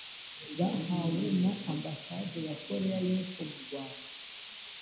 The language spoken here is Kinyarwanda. bahawe na Ambasade ya Koreya y’Epfo mu Rwanda